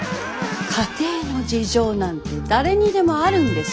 家庭の事情なんて誰にでもあるんです。